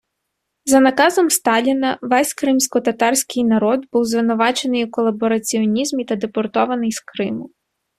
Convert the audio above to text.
За наказом Сталіна весь кримськотатарський народ був звинувачений у колабораціонізмі та депортований з Криму.